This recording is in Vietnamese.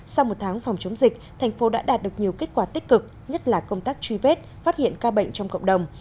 sau một tháng phòng chống dịch thành phố đã đạt được nhiều kết quả tích cực nhất là công tác truy vết phát hiện ca bệnh trong cộng đồng